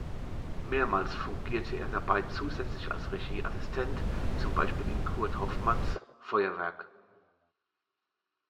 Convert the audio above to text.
Mehrmals fungierte er dabei zusätzlich als Regieassistent, zum Beispiel in Kurt Hoffmanns "Feuerwerk".